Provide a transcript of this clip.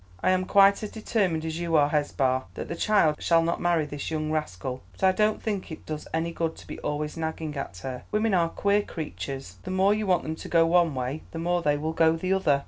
"I am quite as determined as you are, Hesba, that the child shall not marry this young rascal, but I don't think it does any good to be always nagging at her. Women are queer creatures; the more you want them to go one way the more they will go the other."